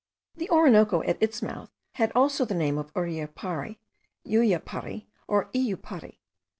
The Orinoco at its mouth had also the name of Uriapari, Yuyapari, or Iyupari.